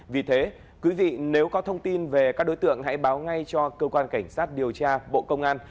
vì thế quý vị nếu có thông tin về các đối tượng hãy báo ngay cho cơ quan cảnh sát điều tra bộ công an